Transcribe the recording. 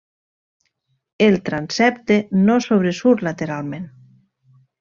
El transsepte no sobresurt lateralment.